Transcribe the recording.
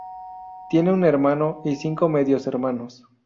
Tiene un hermano y cinco medios hermanos.